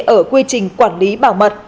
ở quy trình quản lý bảo mật